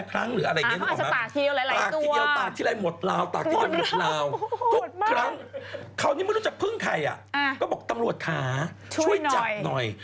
ครั้งนี้ไม่รู้จะพึ่งใครก็บอกตำรวจค้าช่วยจักหน่อย